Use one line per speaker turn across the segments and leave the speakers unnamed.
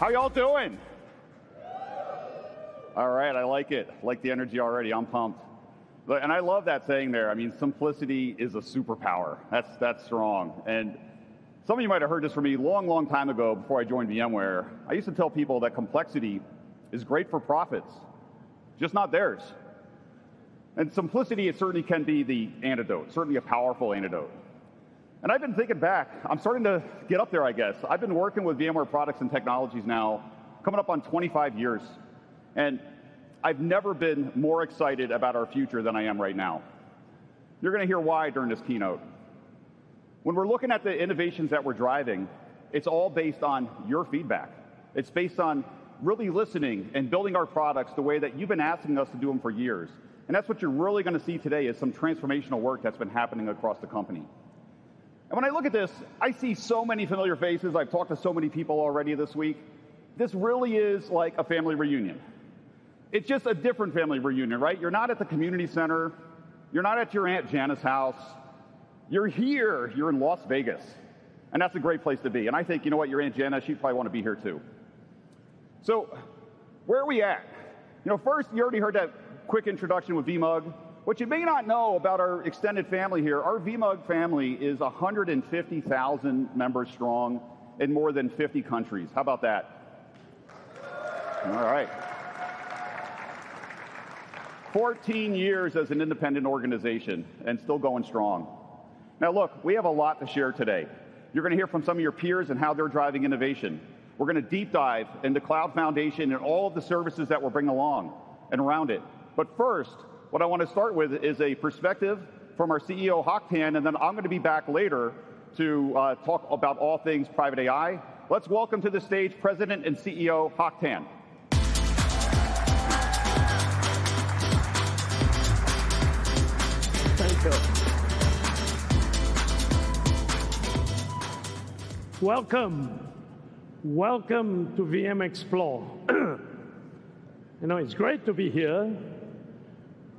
All right! All right. How y'all doing? All right, I like it. I like the energy already. I'm pumped. But, and I love that saying there. I mean, simplicity is a superpower. That's, that's strong. And some of you might have heard this from me a long, long time ago before I joined VMware. I used to tell people that complexity is great for profits, just not theirs. And simplicity, it certainly can be the antidote, certainly a powerful antidote. And I've been thinking back. I'm starting to get up there, I guess. I've been working with VMware products and technologies now, coming up on twenty-five years, and I've never been more excited about our future than I am right now. You're gonna hear why during this keynote. When we're looking at the innovations that we're driving, it's all based on your feedback. It's based on really listening and building our products the way that you've been asking us to do them for years. And that's what you're really gonna see today, is some transformational work that's been happening across the company. And when I look at this, I see so many familiar faces. I've talked to so many people already this week. This really is like a family reunion. It's just a different family reunion, right? You're not at the community center, you're not at your Aunt Janice's house. You're here, you're in Las Vegas, and that's a great place to be. And I think you know what? Your Aunt Janice, she'd probably wanna be here, too. So where are we at? You know, first, you already heard that quick introduction with VMUG. What you may not know about our extended family here, our VMUG family is a 150,000 members strong in more than 50 countries. How about that? All right. 14 years as an independent organization and still going strong. Now, look, we have a lot to share today. You're gonna hear from some of your peers and how they're driving innovation. We're gonna deep dive into Cloud Foundation and all of the services that we're bringing along and around it. But first, what I want to start with is a perspective from our CEO, Hock Tan, and then I'm gonna be back later to talk about all things Private AI. Let's welcome to the stage President and CEO, Hock Tan.
Welcome. Welcome to VMware Explore. You know, it's great to be here.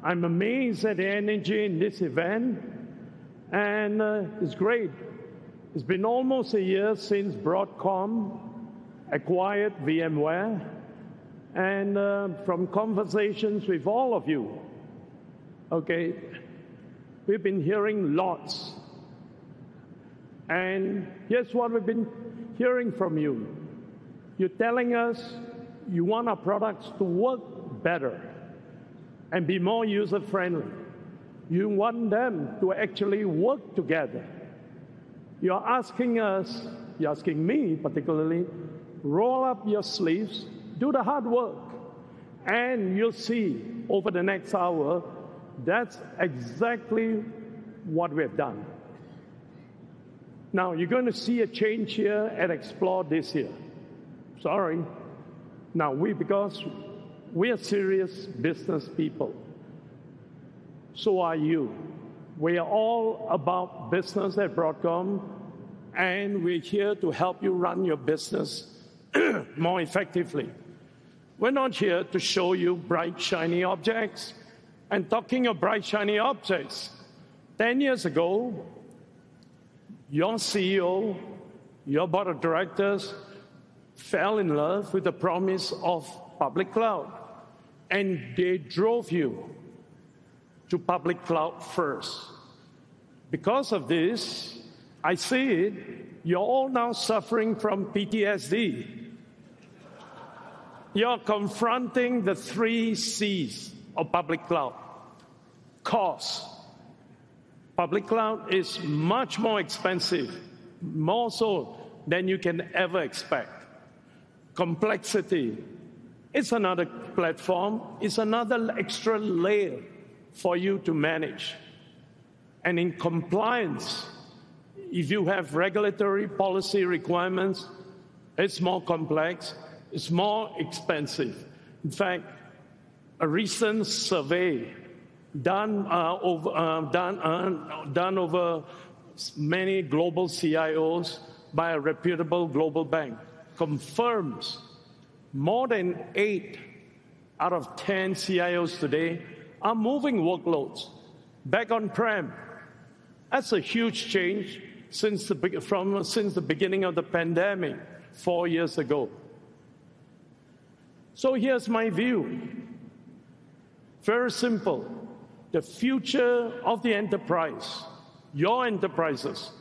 I'm amazed at the energy in this event, and it's great. It's been almost a year since Broadcom acquired VMware, and from conversations with all of you, okay, we've been hearing lots. And here's what we've been hearing from you: You're telling us you want our products to work better and be more user-friendly. You want them to actually work together. You're asking us, you're asking me, particularly: Roll up your sleeves, do the hard work, and you'll see over the next hour, that's exactly what we have done. Now, you're gonna see a change here at Explore this year. Sorry. Now, because we are serious business people, so are you. We are all about business at Broadcom, and we're here to help you run your business more effectively. We're not here to show you bright, shiny objects, and talking of bright, shiny objects, 10 years ago, your CEO, your board of directors, fell in love with the promise of public cloud, and they drove you to public cloud first. Because of this, I see it, you're all now suffering from PTSD. You're confronting the three Cs of public cloud. Cost. Public cloud is much more expensive, more so than you can ever expect. Complexity. It's another platform. It's another extra layer for you to manage, and in compliance, if you have regulatory policy requirements, it's more complex, it's more expensive. In fact, a recent survey done over many global CIOs by a reputable global bank confirms more than eight out of 10 CIOs today are moving workloads back on-prem. That's a huge change since the beginning of the pandemic four years ago. So here's my view, very simple: The future of the enterprise, your enterprises,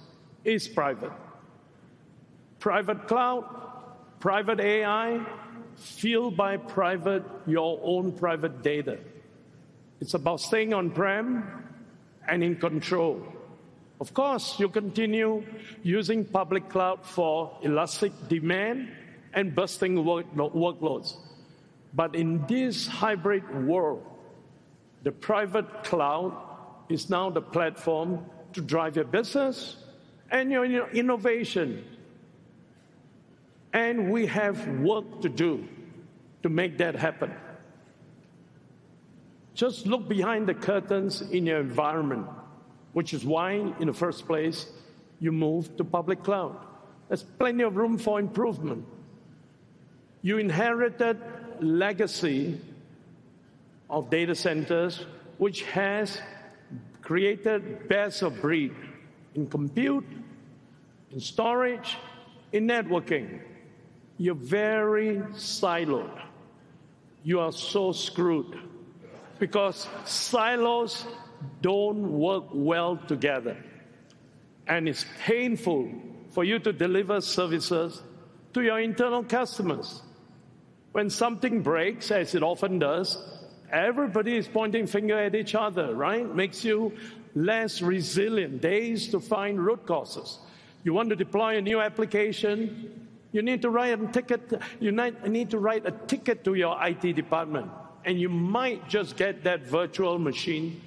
is private. Private cloud, Private AI, fueled by private, your own private data. It's about staying on-prem and in control. Of course, you continue using public cloud for elastic demand and bursting workloads. But in this hybrid world, the private cloud is now the platform to drive your business and your innovation, and we have work to do to make that happen. Just look behind the curtains in your environment, which is why, in the first place, you moved to public cloud. There's plenty of room for improvement. You inherited legacy of data centers, which has created best of breed in compute, in storage, in networking. You're very siloed. You are so screwed, because silos don't work well together, and it's painful for you to deliver services to your internal customers. When something breaks, as it often does, everybody is pointing fingers at each other, right? Makes you less resilient, days to find root causes. You want to deploy a new application, you need to write a ticket to your IT department, and you might just get that virtual machine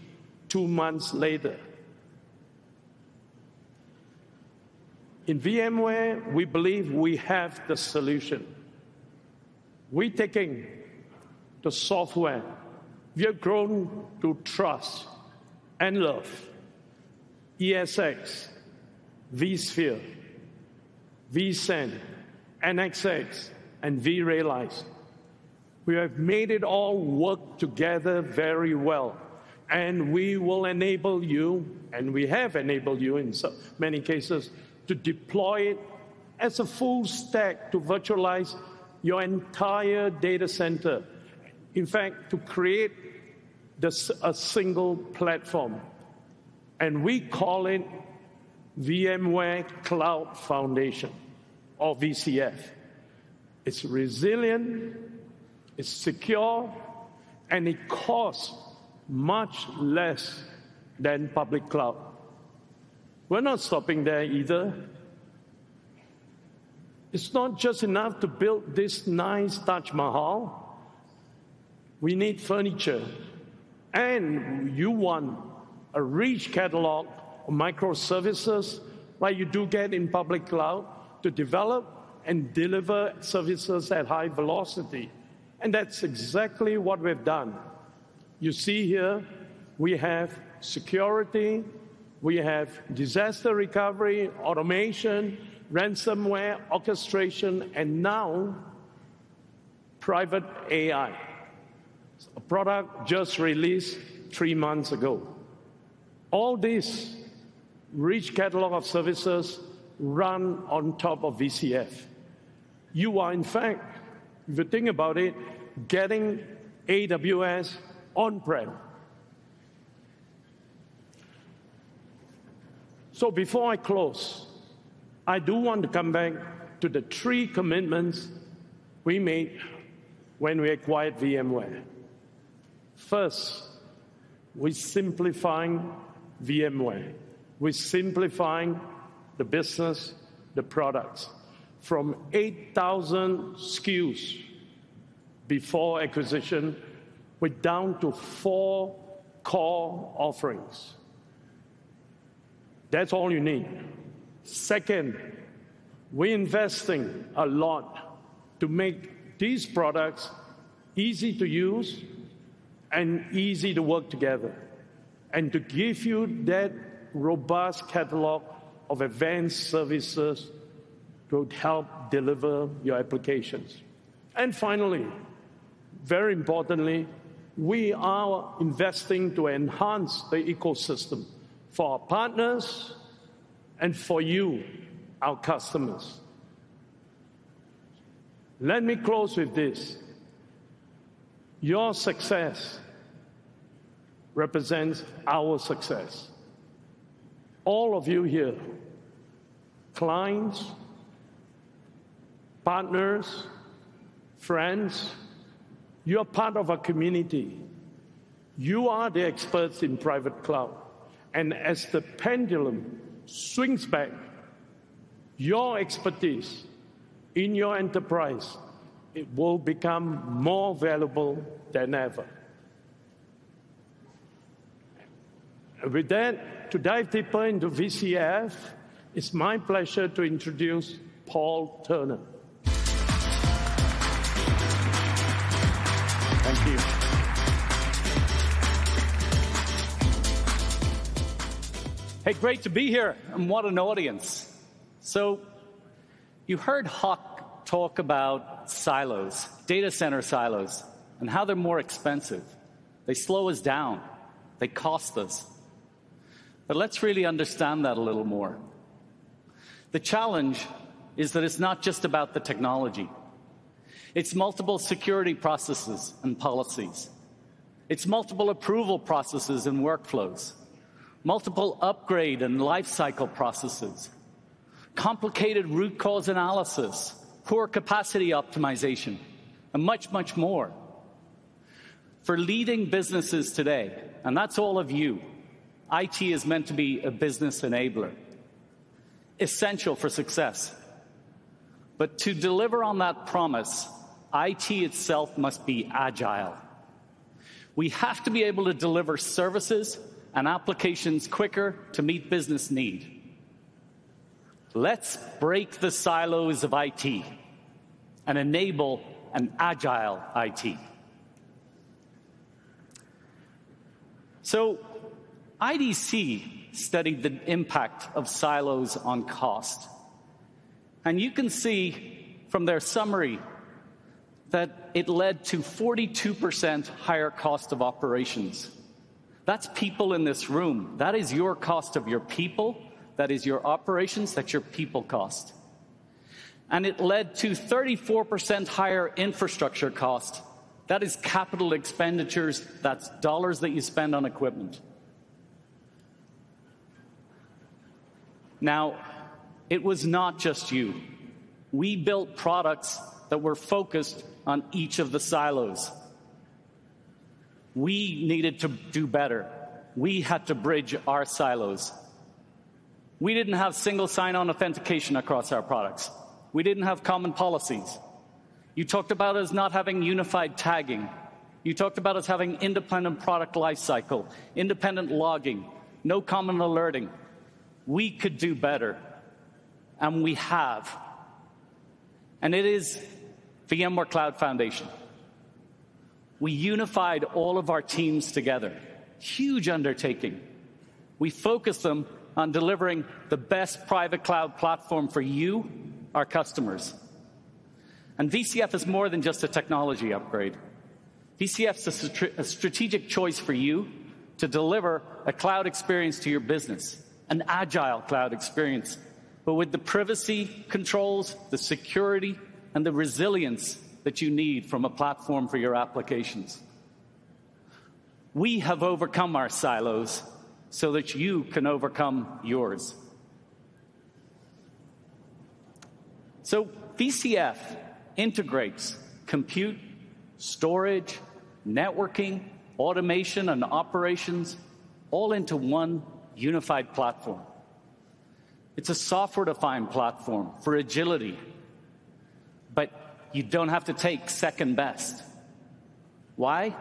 two months later. In VMware, we believe we have the solution. We're taking the software we have grown to trust and love, ESX, vSphere, vSAN, NSX, and vRealize. We have made it all work together very well, and we will enable you, and we have enabled you in so many cases, to deploy it as a full stack to virtualize your entire data center. In fact, to create this, a single platform, and we call it VMware Cloud Foundation or VCF. It's resilient, it's secure, and it costs much less than public cloud. We're not stopping there either. It's not just enough to build this nice Taj Mahal. We need furniture, and you want a rich catalog of microservices, like you do get in public cloud, to develop and deliver services at high velocity, and that's exactly what we've done. You see here, we have security, we have disaster recovery, automation, ransomware, orchestration, and now Private AI, a product just released three months ago. All these rich catalog of services run on top of VCF. You are, in fact, if you think about it, getting AWS on-prem. So before I close, I do want to come back to the three commitments we made when we acquired VMware. First, we're simplifying VMware. We're simplifying the business, the products. From 8,000 SKUs before acquisition, we're down to four core offerings. That's all you need. Second, we're investing a lot to make these products easy to use and easy to work together, and to give you that robust catalog of advanced services to help deliver your applications. And finally, very importantly, we are investing to enhance the ecosystem for our partners and for you, our customers. Let me close with this: Your success represents our success. All of you here, clients, partners, friends, you are part of a community. You are the experts in private cloud, and as the pendulum swings back, your expertise in your enterprise, it will become more valuable than ever. With that, to dive deeper into VCF, it's my pleasure to introduce Paul Turner. Thank you.
Hey, great to be here, and what an audience! So you heard Hock talk about silos, data center silos, and how they're more expensive. They slow us down. They cost us. But let's really understand that a little more. The challenge is that it's not just about the technology. It's multiple security processes and policies. It's multiple approval processes and workflows, multiple upgrade and life cycle processes, complicated root cause analysis, poor capacity optimization, and much, much more. For leading businesses today, and that's all of you, IT is meant to be a business enabler, essential for success. But to deliver on that promise, IT itself must be agile. We have to be able to deliver services and applications quicker to meet business need. Let's break the silos of IT and enable an agile IT. So IDC studied the impact of silos on cost, and you can see from their summary that it led to 42% higher cost of operations. That's people in this room. That is your cost of your people, that is your operations, that's your people cost. And it led to 34% higher infrastructure cost. That is capital expenditures, that's dollars that you spend on equipment. Now, it was not just you. We built products that were focused on each of the silos. We needed to do better. We had to bridge our silos. We didn't have single sign-on authentication across our products. We didn't have common policies. You talked about us not having unified tagging. You talked about us having independent product life cycle, independent logging, no common alerting. We could do better, and we have, and it is VMware Cloud Foundation. We unified all of our teams together. Huge undertaking. We focused them on delivering the best private cloud platform for you, our customers. And VCF is more than just a technology upgrade. VCF is a strategic choice for you to deliver a cloud experience to your business, an agile cloud experience, but with the privacy controls, the security, and the resilience that you need from a platform for your applications. We have overcome our silos so that you can overcome yours. So VCF integrates compute, storage, networking, automation, and operations all into one unified platform. It's a software-defined platform for agility, but you don't have to take second best. Why?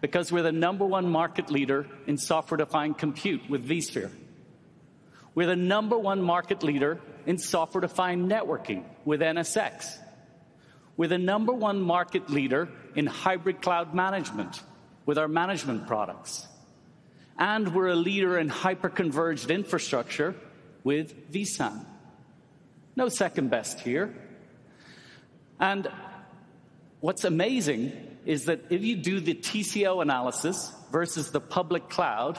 Because we're the number one market leader in software-defined compute with vSphere. We're the number one market leader in software-defined networking with NSX. We're the number one market leader in hybrid cloud management with our management products, and we're a leader in hyperconverged infrastructure with vSAN. No second best here, and what's amazing is that if you do the TCO analysis versus the public cloud,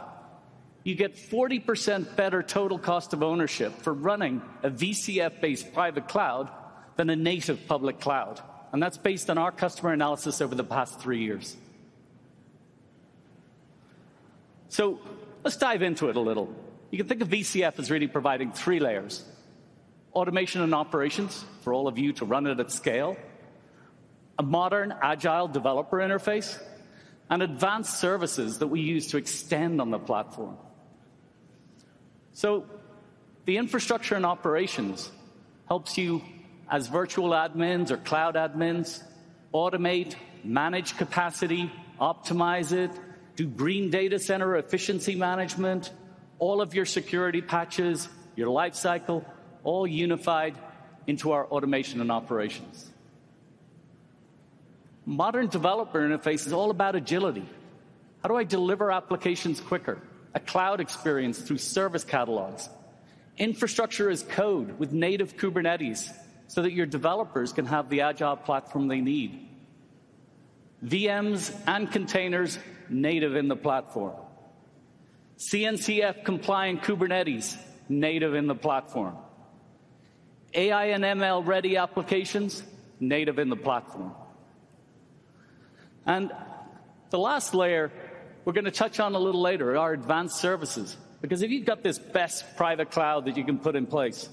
you get 40% better total cost of ownership for running a VCF-based private cloud than a native public cloud, and that's based on our customer analysis over the past three years, so let's dive into it a little. You can think of VCF as really providing three layers: automation and operations for all of you to run it at scale, a modern, agile developer interface, and advanced services that we use to extend on the platform. So the infrastructure and operations helps you, as virtual admins or cloud admins, automate, manage capacity, optimize it, do green data center efficiency management, all of your security patches, your life cycle, all unified into our automation and operations. Modern developer interface is all about agility. How do I deliver applications quicker? A cloud experience through service catalogs. Infrastructure as code with native Kubernetes, so that your developers can have the agile platform they need. VMs and containers, native in the platform. CNCF-compliant Kubernetes, native in the platform. AI and ML-ready applications, native in the platform. The last layer we're going to touch on a little later are our advanced services, because if you've got this best private cloud that you can put in place,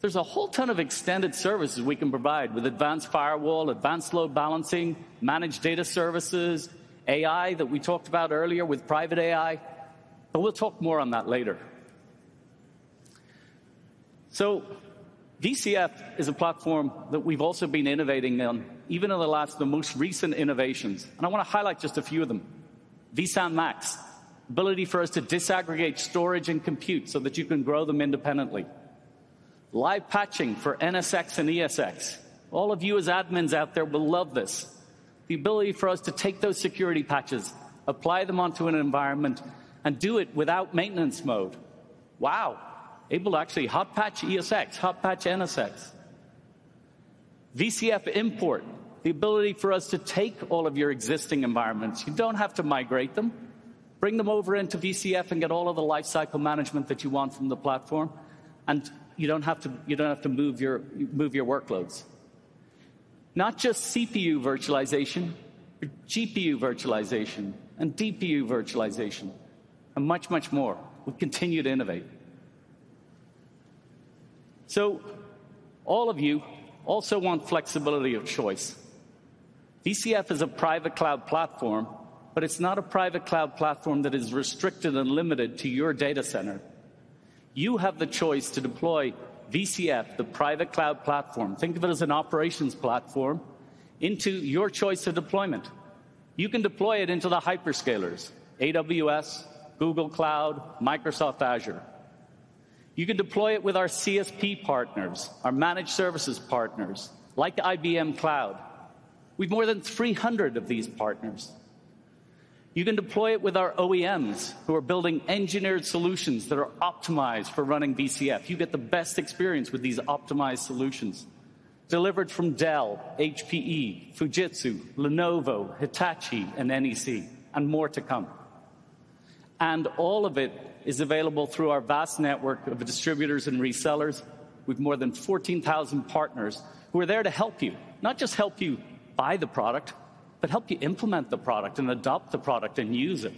there's a whole ton of extended services we can provide with advanced firewall, advanced load balancing, managed data services, AI that we talked about earlier with Private AI, but we'll talk more on that later. VCF is a platform that we've also been innovating on, even in the last, the most recent innovations, and I want to highlight just a few of them. vSAN Max, ability for us to disaggregate storage and compute so that you can grow them independently. Live patching for NSX and ESX. All of you as admins out there will love this. The ability for us to take those security patches, apply them onto an environment, and do it without maintenance mode. Wow! Able to actually hot patch ESX, hot patch NSX. VCF import, the ability for us to take all of your existing environments. You don't have to migrate them. Bring them over into VCF and get all of the lifecycle management that you want from the platform, and you don't have to move your workloads. Not just CPU virtualization, but GPU virtualization and DPU virtualization, and much, much more. We've continued to innovate. So all of you also want flexibility of choice. VCF is a private cloud platform, but it's not a private cloud platform that is restricted and limited to your data center. You have the choice to deploy VCF, the private cloud platform, think of it as an operations platform, into your choice of deployment. You can deploy it into the hyperscalers: AWS, Google Cloud, Microsoft Azure. You can deploy it with our CSP partners, our managed services partners, like IBM Cloud. We've more than 300 of these partners. You can deploy it with our OEMs, who are building engineered solutions that are optimized for running VCF. You get the best experience with these optimized solutions, delivered from Dell, HPE, Fujitsu, Lenovo, Hitachi, and NEC, and more to come. And all of it is available through our vast network of distributors and resellers, with more than 14,000 partners who are there to help you. Not just help you buy the product, but help you implement the product and adopt the product and use it.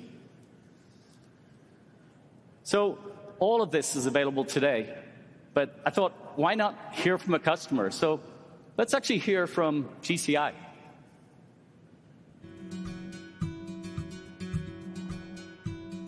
So all of this is available today, but I thought, why not hear from a customer? So let's actually hear from GCI.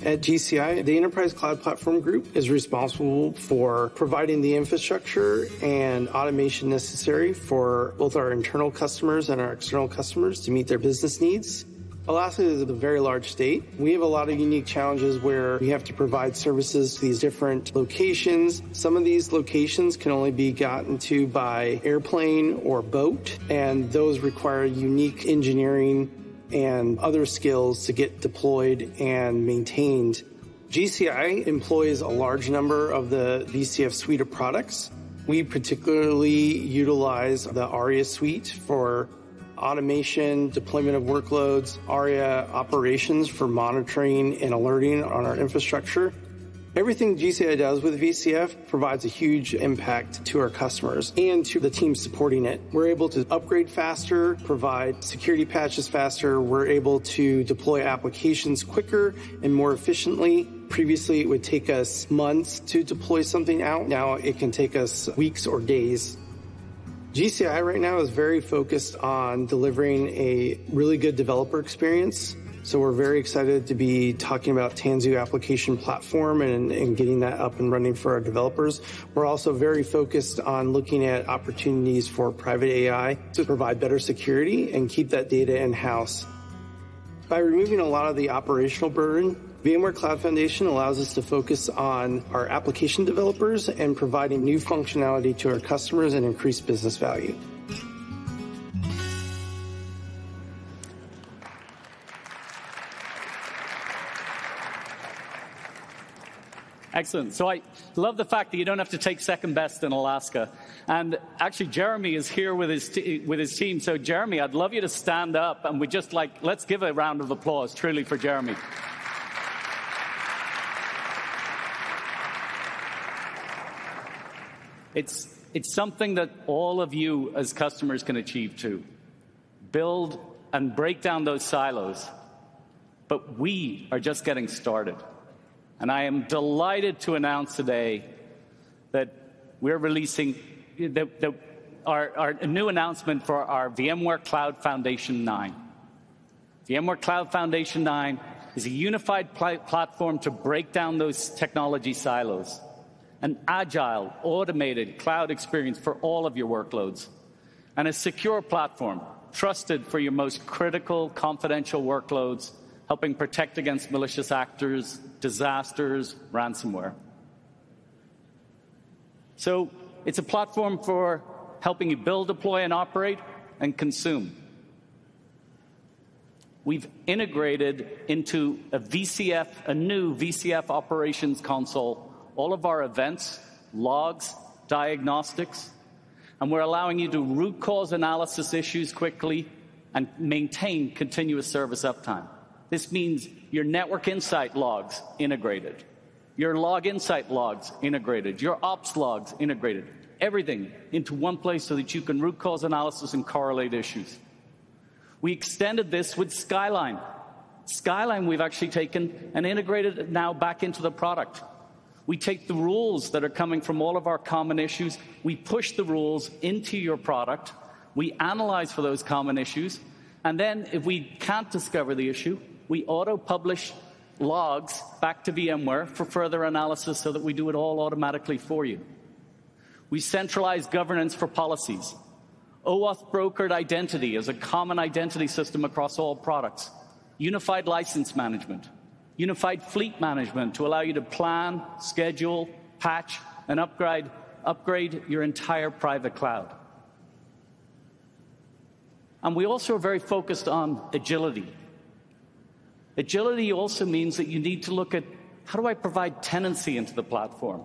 At GCI, the Enterprise Cloud Platform Group is responsible for providing the infrastructure and automation necessary for both our internal customers and our external customers to meet their business needs. Alaska is a very large state. We have a lot of unique challenges where we have to provide services to these different locations. Some of these locations can only be gotten to by airplane or boat, and those require unique engineering and other skills to get deployed and maintained. GCI employs a large number of the VCF suite of products. We particularly utilize the Aria Suite for automation, deployment of workloads, Aria Operations for monitoring and alerting on our infrastructure. Everything GCI does with VCF provides a huge impact to our customers and to the team supporting it. We're able to upgrade faster, provide security patches faster. We're able to deploy applications quicker and more efficiently. Previously, it would take us months to deploy something out. Now, it can take us weeks or days. GCI right now is very focused on delivering a really good developer experience, so we're very excited to be talking about Tanzu Application Platform and getting that up and running for our developers. We're also very focused on looking at opportunities for Private AI to provide better security and keep that data in-house. By removing a lot of the operational burden, VMware Cloud Foundation allows us to focus on our application developers and providing new functionality to our customers and increase business value.
Excellent, so I love the fact that you don't have to take second best in Alaska, and actually, Jeremy is here with his team, so Jeremy, I'd love you to stand up, and let's give a round of applause, truly, for Jeremy. It's something that all of you as customers can achieve, too: build and break down those silos, but we are just getting started, and I am delighted to announce today that we're releasing a new announcement for our VMware Cloud Foundation 9. VMware Cloud Foundation 9 is a unified platform to break down those technology silos. An agile, automated cloud experience for all of your workloads, and a secure platform, trusted for your most critical, confidential workloads, helping protect against malicious actors, disasters, ransomware. So it's a platform for helping you build, deploy, and operate and consume. We've integrated into a VCF, a new VCF operations console, all of our events, logs, diagnostics, and we're allowing you to root cause analysis issues quickly and maintain continuous service uptime. This means your Network Insight logs integrated, your Log Insight logs integrated, your ops logs integrated, everything into one place so that you can root cause analysis and correlate issues. We extended this with Skyline. Skyline, we've actually taken and integrated it now back into the product. We take the rules that are coming from all of our common issues, we push the rules into your product, we analyze for those common issues, and then if we can't discover the issue, we auto-publish logs back to VMware for further analysis so that we do it all automatically for you. We centralize governance for policies. OAuth brokered identity is a common identity system across all products. Unified license management, unified fleet management to allow you to plan, schedule, patch, and upgrade your entire private cloud, and we also are very focused on agility. Agility also means that you need to look at: how do I provide tenancy into the platform?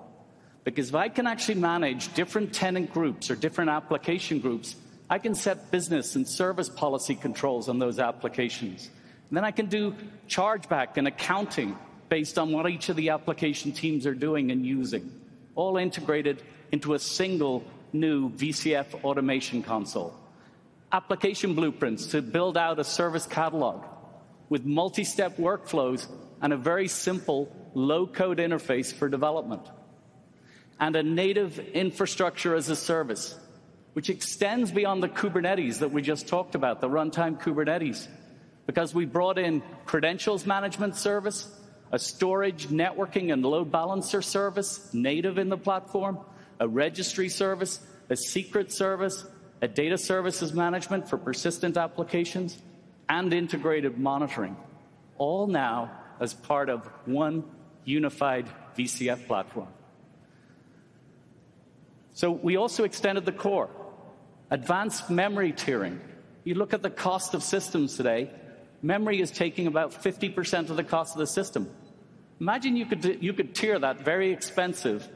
Because if I can actually manage different tenant groups or different application groups, I can set business and service policy controls on those applications, then I can do chargeback and accounting based on what each of the application teams are doing and using, all integrated into a single new VCF automation console. Application blueprints to build out a service catalog with multi-step workflows and a very simple low-code interface for development. And a native infrastructure as a service, which extends beyond the Kubernetes that we just talked about, the runtime Kubernetes, because we brought in credentials management service, a storage, networking, and load balancer service native in the platform, a registry service, a secret service, a data services management for persistent applications, and integrated monitoring, all now as part of one unified VCF platform. So we also extended the core. Advanced memory tiering. You look at the cost of systems today, memory is taking about 50% of the cost of the system. Imagine you could tier that very expensive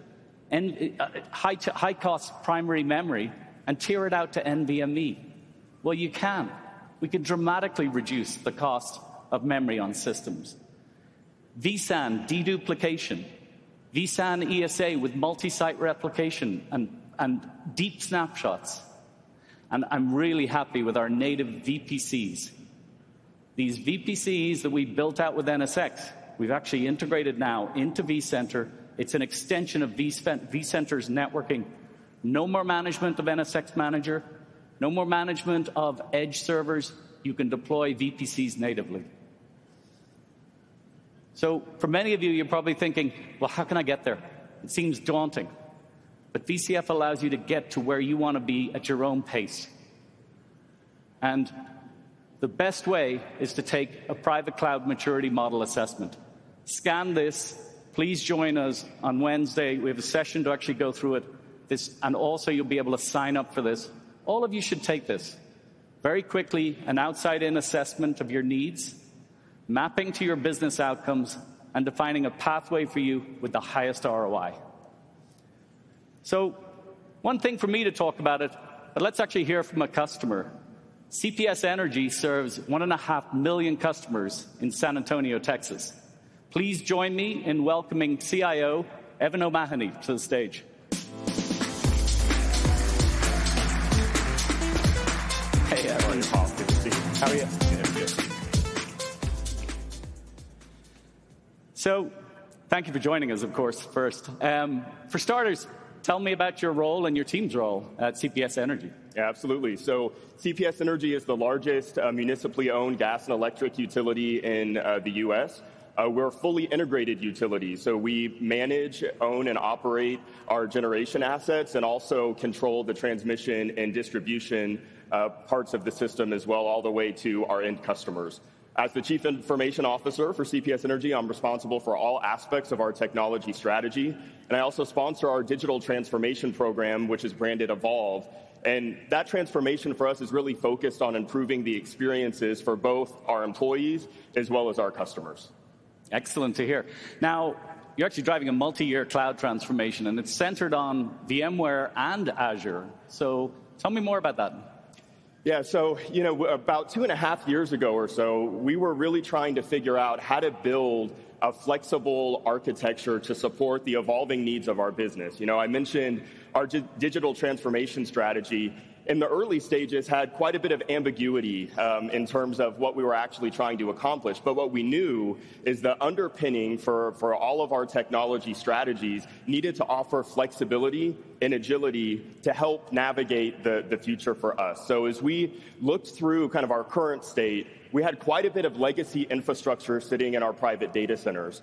and high-cost primary memory and tier it out to NVMe. Well, you can. We can dramatically reduce the cost of memory on systems. vSAN deduplication, vSAN ESA with multi-site replication and deep snapshots, and I'm really happy with our native VPCs. These VPCs that we built out with NSX, we've actually integrated now into vCenter. It's an extension of vCenter's networking. No more management of NSX manager, no more management of edge servers. You can deploy VPCs natively. So for many of you, you're probably thinking: "Well, how can I get there? It seems daunting." But VCF allows you to get to where you want to be at your own pace, and the best way is to take a private cloud maturity model assessment. Scan this. Please join us on Wednesday. We have a session to actually go through it. This. And also, you'll be able to sign up for this. All of you should take this. Very quickly, an outside-in assessment of your needs, mapping to your business outcomes, and defining a pathway for you with the highest ROI. So one thing for me to talk about it, but let's actually hear from a customer. CPS Energy serves 1.5 million customers in San Antonio, Texas. Please join me in welcoming CIO Evan O'Mahoney to the stage. Hey, Evan.
How are you
So thank you for joining us, of course, first. For starters, tell me about your role and your team's role at CPS Energy?
Yeah, absolutely. So CPS Energy is the largest, municipally-owned gas and electric utility in the U.S. We're a fully integrated utility, so we manage, own, and operate our generation assets and also control the transmission and distribution parts of the system as well, all the way to our end customers. As the Chief Information Officer for CPS Energy, I'm responsible for all aspects of our technology strategy, and I also sponsor our digital transformation program, which is branded Evolve, and that transformation for us is really focused on improving the experiences for both our employees as well as our customers.
Excellent to hear. Now, you're actually driving a multi-year cloud transformation, and it's centered on VMware and Azure. So tell me more about that.
Yeah, so, you know, about two and a half years ago or so, we were really trying to figure out how to build a flexible architecture to support the evolving needs of our business. You know, I mentioned our digital transformation strategy, in the early stages, had quite a bit of ambiguity in terms of what we were actually trying to accomplish, but what we knew is the underpinning for all of our technology strategies needed to offer flexibility and agility to help navigate the future for us, so as we looked through kind of our current state, we had quite a bit of legacy infrastructure sitting in our private data centers.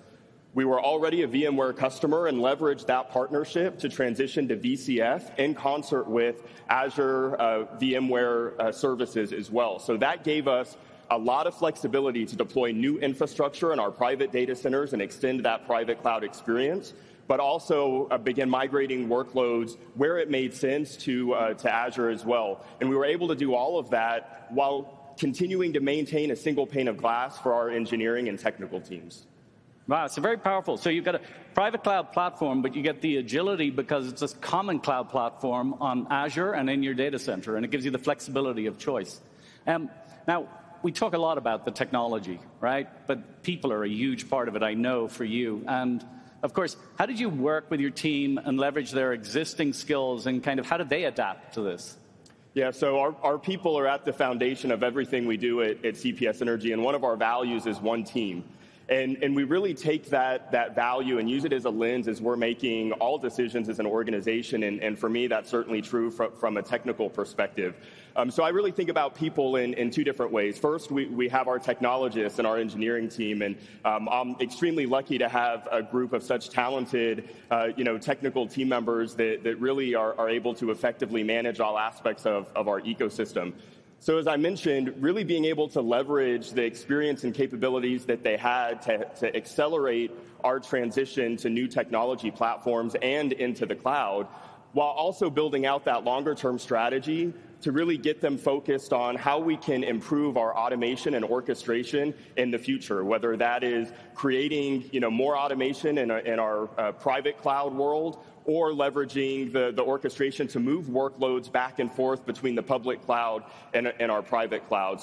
We were already a VMware customer and leveraged that partnership to transition to VCF in concert with Azure VMware services as well. So that gave us a lot of flexibility to deploy new infrastructure in our private data centers and extend that private cloud experience, but also begin migrating workloads where it made sense to Azure as well. And we were able to do all of that while continuing to maintain a single pane of glass for our engineering and technical teams.
Wow! It's very powerful. So you've got a private cloud platform, but you get the agility because it's a common cloud platform on Azure and in your data center, and it gives you the flexibility of choice. Now, we talk a lot about the technology, right? But people are a huge part of it, I know, for you. And of course, how did you work with your team and leverage their existing skills, and kind of how did they adapt to this?
Yeah, so our people are at the foundation of everything we do at CPS Energy, and one of our values is one team, and we really take that value and use it as a lens as we're making all decisions as an organization, and for me, that's certainly true from a technical perspective, so I really think about people in two different ways. First, we have our technologists and our engineering team, and I'm extremely lucky to have a group of such talented, you know, technical team members that really are able to effectively manage all aspects of our ecosystem. As I mentioned, really being able to leverage the experience and capabilities that they had to accelerate our transition to new technology platforms and into the cloud, while also building out that longer-term strategy to really get them focused on how we can improve our automation and orchestration in the future, whether that is creating, you know, more automation in our private cloud world or leveraging the orchestration to move workloads back and forth between the public cloud and our private cloud.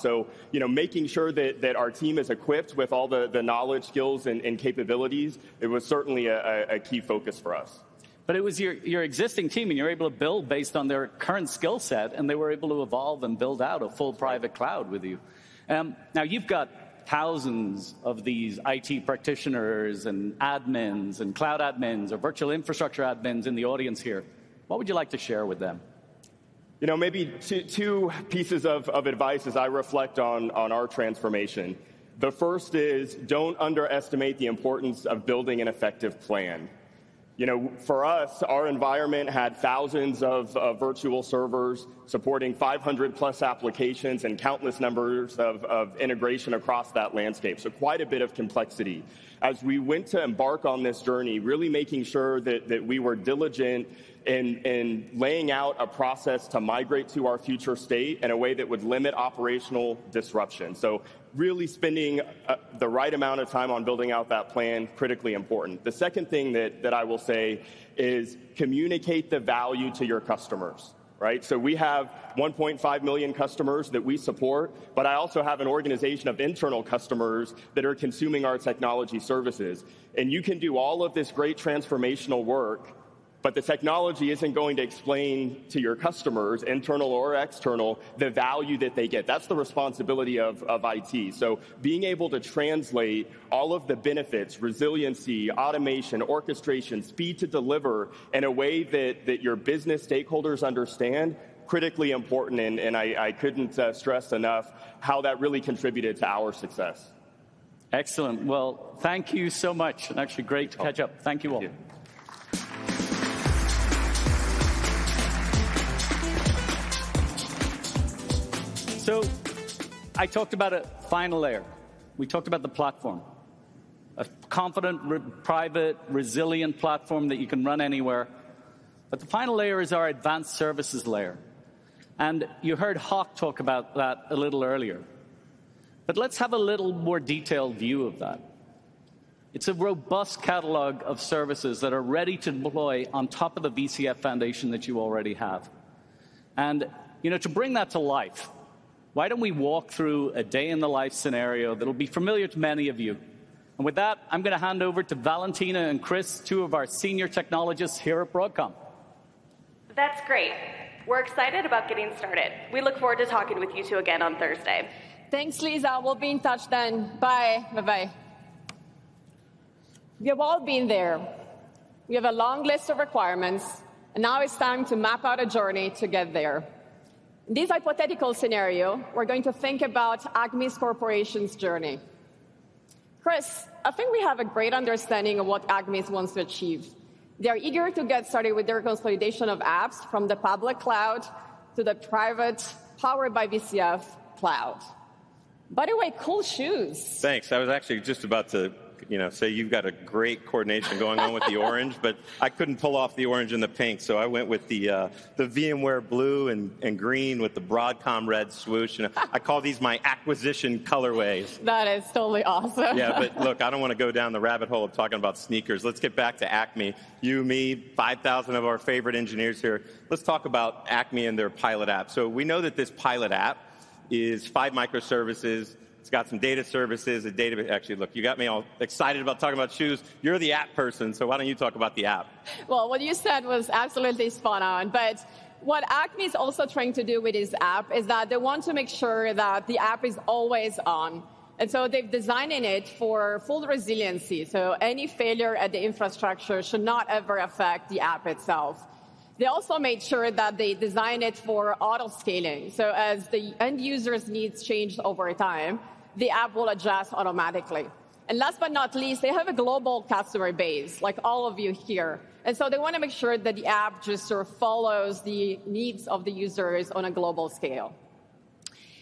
You know, making sure that our team is equipped with all the knowledge, skills, and capabilities. It was certainly a key focus for us.
But it was your existing team, and you're able to build based on their current skill set, and they were able to evolve and build out a full private cloud with you. Now, you've got thousands of these IT practitioners and admins, and cloud admins or virtual infrastructure admins in the audience here. What would you like to share with them?
You know, maybe two pieces of advice as I reflect on our transformation. The first is, don't underestimate the importance of building an effective plan. You know, for us, our environment had thousands of virtual servers supporting 500+ applications and countless numbers of integration across that landscape, so quite a bit of complexity. As we went to embark on this journey, really making sure that we were diligent in laying out a process to migrate to our future state in a way that would limit operational disruption. So really spending the right amount of time on building out that plan, critically important. The second thing that I will say is communicate the value to your customers, right? So we have 1.5 million customers that we support, but I also have an organization of internal customers that are consuming our technology services. And you can do all of this great transformational work, but the technology isn't going to explain to your customers, internal or external, the value that they get. That's the responsibility of IT. So being able to translate all of the benefits, resiliency, automation, orchestration, speed to deliver, in a way that your business stakeholders understand, critically important, and I couldn't stress enough how that really contributed to our success.
Excellent, well, thank you so much, and actually great to catch up.
Thank you.
Thank you all. So I talked about a final layer. We talked about the platform, a confident, secure, private, resilient platform that you can run anywhere. But the final layer is our advanced services layer, and you heard Hock talk about that a little earlier. But let's have a little more detailed view of that. It's a robust catalog of services that are ready to deploy on top of the VCF foundation that you already have. And, you know, to bring that to life, why don't we walk through a day-in-the-life scenario that'll be familiar to many of you? And with that, I'm gonna hand over to Valentina and Chris, two of our senior technologists here at Broadcom.
That's great. We're excited about getting started. We look forward to talking with you two again on Thursday. Thanks, Lisa. We'll be in touch then. Bye. Bye-bye. We have all been there. We have a long list of requirements, and now it's time to map out a journey to get there. In this hypothetical scenario, we're going to think about ACME's Corporation's journey. Chris, I think we have a great understanding of what ACME wants to achieve. They are eager to get started with their consolidation of apps from the public cloud to the private, powered by VCF cloud. By the way, cool shoes!
Thanks. I was actually just about to, you know, say you've got a great coordination going on with the orange, but I couldn't pull off the orange and the pink, so I went with the VMware blue and green with the Broadcom red swoosh. You know, I call these my acquisition colorways.
That is totally awesome.
Yeah, but look, I don't wanna go down the rabbit hole of talking about sneakers. Let's get back to ACME. You, me, 5,000 of our favorite engineers here, let's talk about ACME and their pilot app. So we know that this pilot app is five microservices. It's got some data services, a database... Actually, look, you got me all excited about talking about shoes. You're the app person, so why don't you talk about the app?
Well, what you said was absolutely spot on, but what ACME is also trying to do with this app is that they want to make sure that the app is always on, and so they're designing it for full resiliency, so any failure at the infrastructure should not ever affect the app itself. They also made sure that they design it for auto-scaling, so as the end users' needs change over time, the app will adjust automatically. And last but not least, they have a global customer base, like all of you here, and so they wanna make sure that the app just sort of follows the needs of the users on a global scale.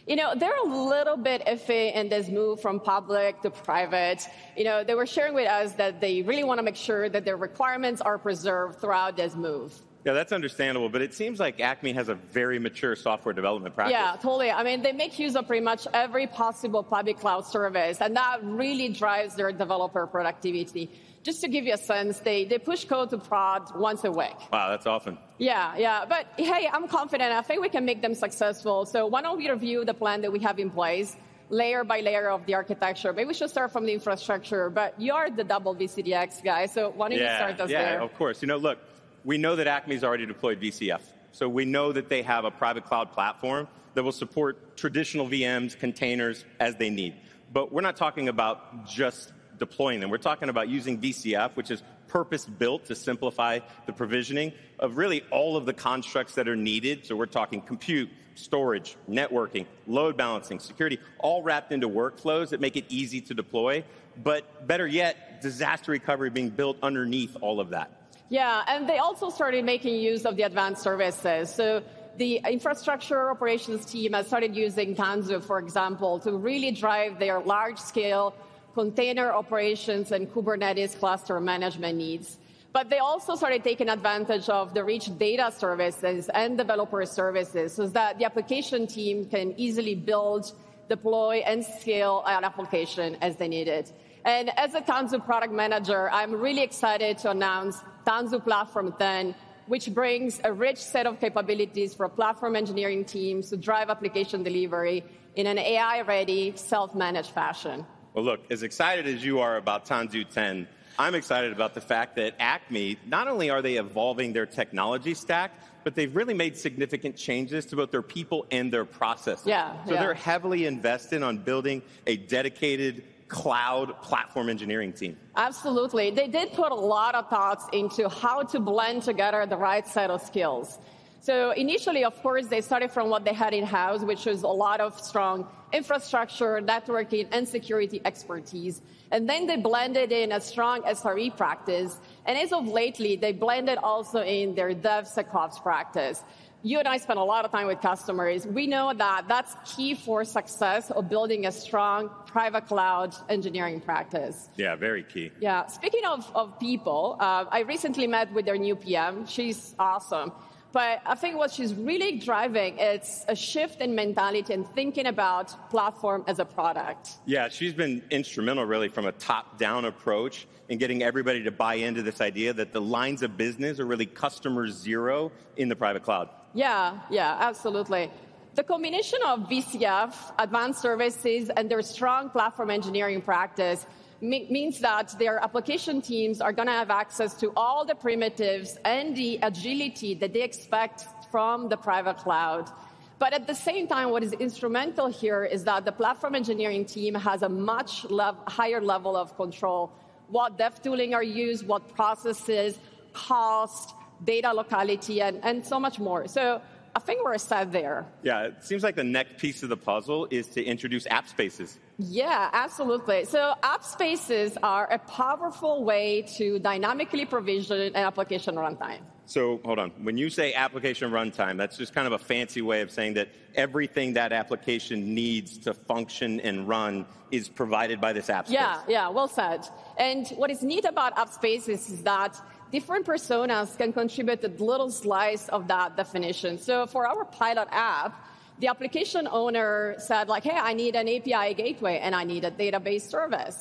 You know, they're a little bit iffy in this move from public to private. You know, they were sharing with us that they really wanna make sure that their requirements are preserved throughout this move.
Yeah, that's understandable, but it seems like ACME has a very mature software development practice.
Yeah, totally. I mean, they make use of pretty much every possible public cloud service, and that really drives their developer productivity. Just to give you a sense, they, they push code to prod once a week.
Wow, that's often.
Yeah, yeah. But hey, I'm confident. I think we can make them successful. So why don't we review the plan that we have in place, layer by layer of the architecture? Maybe we should start from the infrastructure, but you are the double VCDX guy, soYeah yeah, of course why don't you start us there?
Yeah. Yeah, of course. You know, look, we know that ACME's already deployed VCF, so we know that they have a private cloud platform that will support traditional VMs, containers as they need. But we're not talking about just deploying them. We're talking about using VCF, which is purpose-built to simplify the provisioning of really all of the constructs that are needed. So we're talking compute, storage, networking, load balancing, security, all wrapped into workflows that make it easy to deploy, but better yet, disaster recovery being built underneath all of that.
Yeah, and they also started making use of the advanced services. So the infrastructure operations team has started using Tanzu, for example, to really drive their large-scale container operations and Kubernetes cluster management needs. But they also started taking advantage of the rich data services and developer services, so that the application team can easily build, deploy, and scale an application as they need it. And as a Tanzu product manager, I'm really excited to announce Tanzu Platform 10, which brings a rich set of capabilities for platform engineering teams to drive application delivery in an AI-ready, self-managed fashion.
Look, as excited as you are about Tanzu 10, I'm excited about the fact that ACME, not only are they evolving their technology stack, but they've really made significant changes to both their people and their processes.
Yeah, yeah.
They're heavily invested on building a dedicated cloud platform engineering team.
Absolutely. They did put a lot of thoughts into how to blend together the right set of skills. So initially, of course, they started from what they had in-house, which was a lot of strong infrastructure, networking, and security expertise, and then they blended in a strong SRE practice, and as of lately, they blended also in their DevSecOps practice. You and I spend a lot of time with customers. We know that that's key for success of building a strong private cloud engineering practice.
Yeah, very key.
Yeah. Speaking of people, I recently met with their new PM. She's awesome, but I think what she's really driving, it's a shift in mentality and thinking about platform as a product.
Yeah, she's been instrumental, really, from a top-down approach in getting everybody to buy into this idea that the lines of business are really customer zero in the private cloud.
Yeah, yeah, absolutely. The combination of VCF, advanced services, and their strong platform engineering practice means that their application teams are gonna have access to all the primitives and the agility that they expect from the private cloud. But at the same time, what is instrumental here is that the platform engineering team has a much higher level of control, what dev tooling are used, what processes, cost, data locality, and so much more. So I think we're set there.
Yeah, it seems like the next piece of the puzzle is to introduce App Spaces.
Yeah, absolutely. So App Spaces are a powerful way to dynamically provision an application runtime.
So hold on. When you say application runtime, that's just kind of a fancy way of saying that everything that application needs to function and run is provided by this App Space?
Yeah, yeah, well said, and what is neat about App Spaces is that different personas can contribute a little slice of that definition. So for our pilot app, the application owner said, like, "Hey, I need an API gateway, and I need a database service."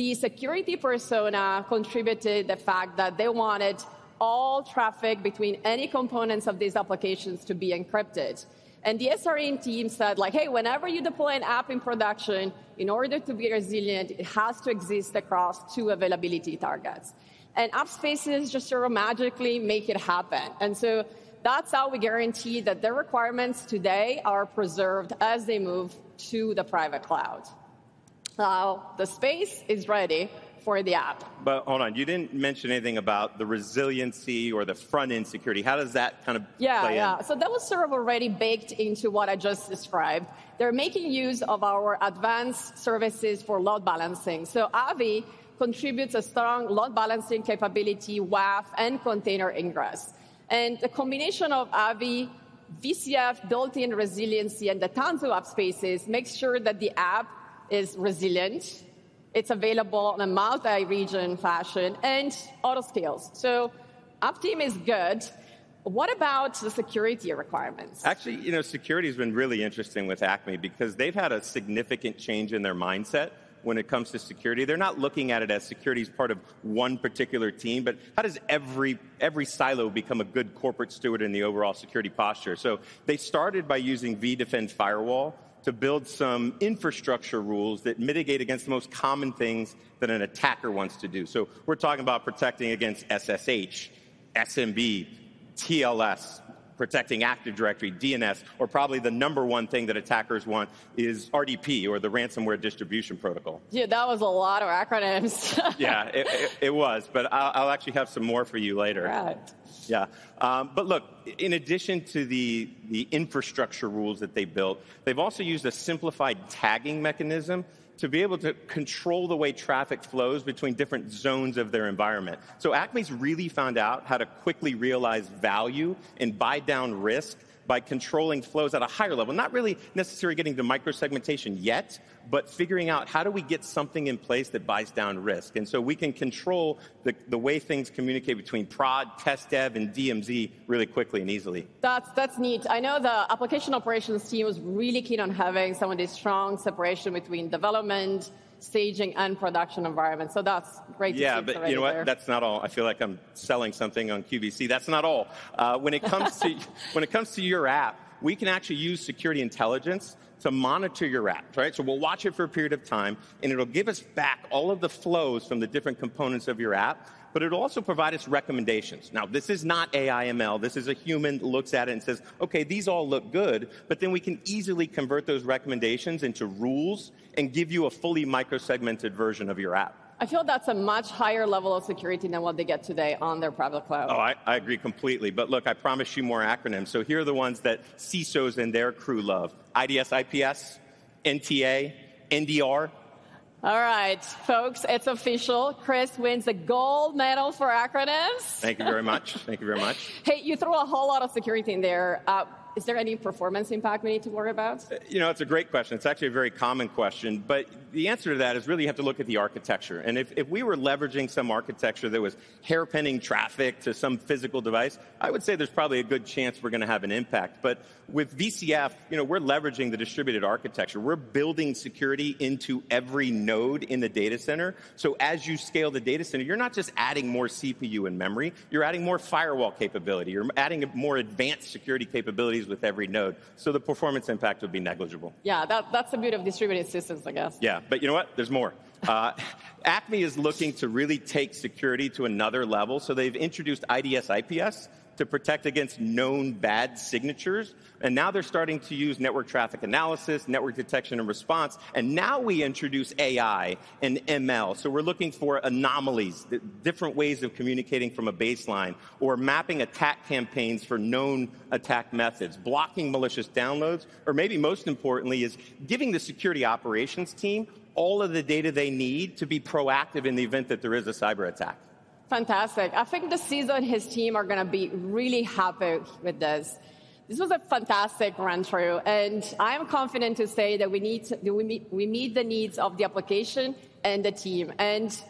The security persona contributed the fact that they wanted all traffic between any components of these applications to be encrypted, and the SRE team said, like, "Hey, whenever you deploy an app in production, in order to be resilient, it has to exist across two availability targets," and App Spaces just sort of magically make it happen, and so that's how we guarantee that their requirements today are preserved as they move to the private cloud. Now, the space is ready for the app.
But hold on. You didn't mention anything about the resiliency or the front-end security. How does that kind of play in?
Yeah, yeah, so that was sort of already baked into what I just described. They're making use of our advanced services for load balancing. So Avi contributes a strong load balancing capability, WAF, and container ingress. And the combination of Avi, VCF, built-in resiliency, and the Tanzu App Spaces makes sure that the app is resilient, it's available in a multi-region fashion, and auto scales. So app team is good. What about the security requirements?
Actually, you know, security's been really interesting with ACME because they've had a significant change in their mindset when it comes to security. They're not looking at it as security as part of one particular team, but how does every silo become a good corporate steward in the overall security posture? So they started by using vDefend firewall to build some infrastructure rules that mitigate against the most common things that an attacker wants to do. So we're talking about protecting against SSH, SMB, TLS, protecting Active Directory, DNS, or probably the number one thing that attackers want is RDP, or the Ransomware Distribution Protocol.
Yeah, that was a lot of acronyms.
Yeah, it was, but I'll actually have some more for you later.
All right.
Yeah, but look, in addition to the infrastructure rules that they built, they've also used a simplified tagging mechanism to be able to control the way traffic flows between different zones of their environment. ACME's really found out how to quickly realize value and buy down risk by controlling flows at a higher level, not really necessarily getting to micro-segmentation yet, but figuring out how do we get something in place that buys down risk. We can control the way things communicate between prod, test/dev, and DMZ really quickly and easily.
That's, that's neat. I know the application operations team was really keen on having some of this strong separation between development, staging, and production environments, so that's great to see already there.
Yeah, but you know what? That's not all. I feel like I'm selling something on QVC. That's not all. When it comes to your app, we can actually use security intelligence to monitor your app, right? So we'll watch it for a period of time, and it'll give us back all of the flows from the different components of your app, but it'll also provide us recommendations. Now, this is not AI ML. This is a human looks at it and says, "Okay, these all look good," but then we can easily convert those recommendations into rules and give you a fully micro-segmented version of your app.
I feel that's a much higher level of security than what they get today on their private cloud.
Oh, I agree completely. But look, I promised you more acronyms, so here are the ones that CISOs and their crew love: IDS, IPS, NTA, NDR.
All right, folks, it's official. Chris wins the gold medal for acronyms.
Thank you very much. Thank you very much.
Hey, you threw a whole lot of security in there. Is there any performance impact we need to worry about?
You know, it's a great question. It's actually a very common question, but the answer to that is really you have to look at the architecture. And if we were leveraging some architecture that was hairpinning traffic to some physical device, I would say there's probably a good chance we're gonna have an impact. But with VCF, you know, we're leveraging the distributed architecture. We're building security into every node in the data center. So as you scale the data center, you're not just adding more CPU and memory, you're adding more firewall capability. You're adding more advanced security capabilities with every node, so the performance impact would be negligible.
Yeah, that's the beauty of distributed systems, I guess.
Yeah, but you know what? There's more. ACME is looking to really take security to another level, so they've introduced IDS, IPS to protect against known bad signatures, and now they're starting to use network traffic analysis, network detection and response, and now we introduce AI and ML. So we're looking for anomalies, the different ways of communicating from a baseline, or mapping attack campaigns for known attack methods, blocking malicious downloads, or maybe most importantly, is giving the security operations team all of the data they need to be proactive in the event that there is a cyberattack.
Fantastic. I think the CISO and his team are gonna be really happy with this. This was a fantastic run-through, and I'm confident to say that we meet the needs of the application and the team, and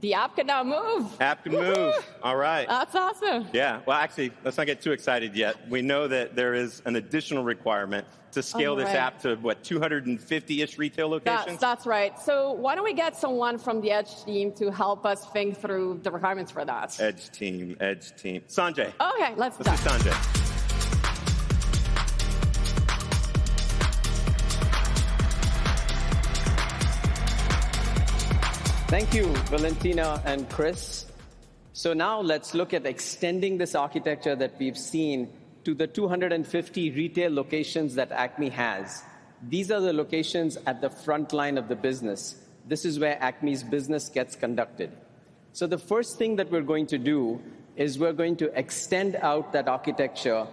the app can now move.
App can move.
Woo-hoo!
All right.
That's awesome.
Yeah. Well, actually, let's not get too excited yet. We know that there is an additional requirement-
Oh, right...
to scale this app to what? 250ish retail locations.
Yeah, that's right. So why don't we get someone from the Edge team to help us think through the requirements for that?
Edge team, Edge team. Sanjay.
Okay, let's go.
Let's see, Sanjay.
Thank you, Valentina and Chris. So now let's look at extending this architecture that we've seen to the 250 retail locations that ACME has. These are the locations at the front line of the business. This is where ACME's business gets conducted. So the first thing that we're going to do is we're going to extend out that architecture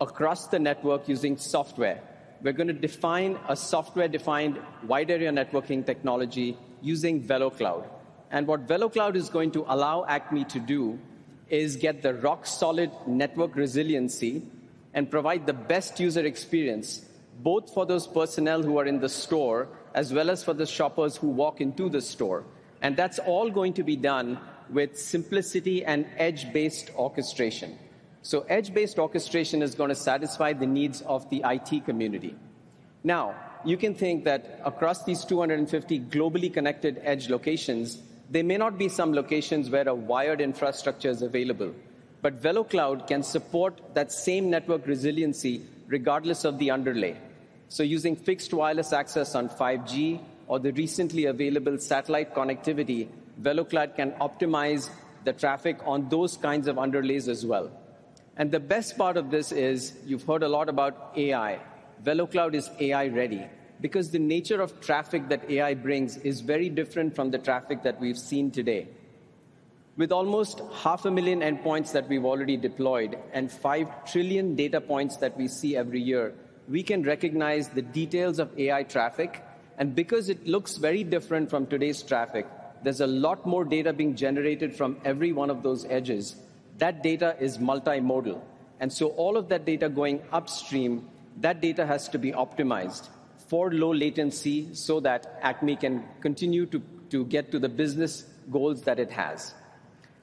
across the network using software. We're gonna define a software-defined wide area networking technology using VeloCloud. And what VeloCloud is going to allow ACME to do is get the rock-solid network resiliency and provide the best user experience, both for those personnel who are in the store, as well as for the shoppers who walk into the store. And that's all going to be done with simplicity and edge-based orchestration. So edge-based orchestration is gonna satisfy the needs of the IT community. Now, you can think that across these 250 globally connected edge locations, there may not be some locations where a wired infrastructure is available, but VeloCloud can support that same network resiliency regardless of the underlay. So using fixed wireless access on 5G or the recently available satellite connectivity, VeloCloud can optimize the traffic on those kinds of underlays as well. And the best part of this is you've heard a lot about AI. VeloCloud is AI-ready because the nature of traffic that AI brings is very different from the traffic that we've seen today. With almost 500,000 endpoints that we've already deployed and 5 trillion data points that we see every year, we can recognize the details of AI traffic, and because it looks very different from today's traffic, there's a lot more data being generated from every one of those edges. That data is multimodal, and so all of that data going upstream, that data has to be optimized for low latency so that ACME can continue to get to the business goals that it has.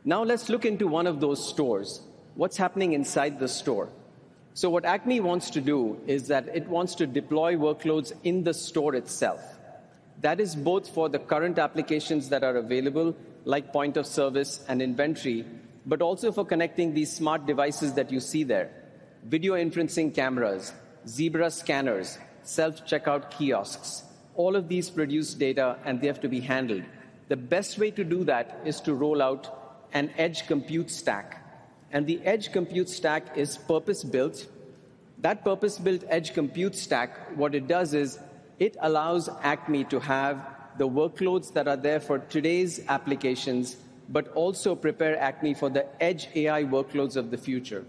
Now, let's look into one of those stores. What's happening inside the store? So what ACME wants to do is that it wants to deploy workloads in the store itself. That is both for the current applications that are available, like point of service and inventory, but also for connecting these smart devices that you see there: video inferencing cameras, Zebra scanners, self-checkout kiosks. All of these produce data, and they have to be handled. The best way to do that is to roll out an edge compute stack, and the edge compute stack is purpose-built. That purpose-built edge compute stack, what it does is it allows ACME to have the workloads that are there for today's applications but also prepare ACME for the Edge AI workloads of the future.